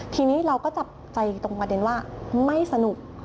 ทีนี้เราก็จับใจตรงประเด็นว่าไม่สนุก